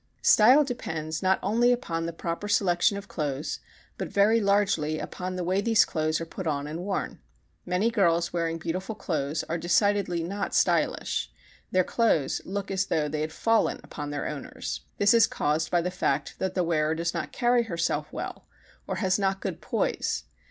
Style depends not only upon the proper selection of clothes but very largely upon the way these clothes are put on and worn. Many girls wearing beautiful clothes are decidedly "not stylish." Their clothes look as though they had fallen upon their owners. This is caused by the fact that the wearer does not carry herself well, or has not good poise.